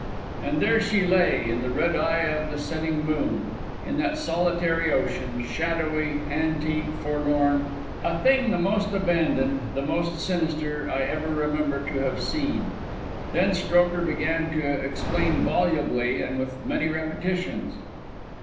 And there she lay, in the red eye of the setting moon, in that solitary ocean, shadowy, antique, forlorn, a thing the most abandoned, the most sinister I ever remember to have seen. Then Strokher began to explain volubly and with many repetitions.